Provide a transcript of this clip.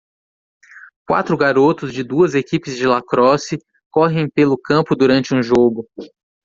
Quatro garotos de duas equipes de lacrosse correm pelo campo durante um jogo.